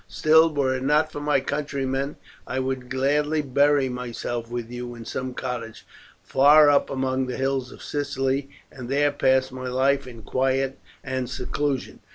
Still, were it not for my countrymen, I would gladly bury myself with you in some cottage far up among the hills of Sicily, and there pass my life in quiet and seclusion.